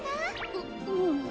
ううん。